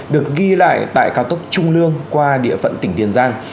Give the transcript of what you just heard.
được ghi lại tại cao tốc trung lương qua địa phận tỉnh tiền giang